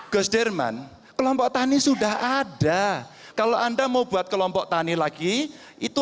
gus derman kelompok tani sudah ada kalau anda mau buat kelompok tani lagi itu